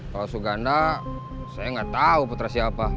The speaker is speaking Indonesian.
kalau suganda saya nggak tahu putra siapa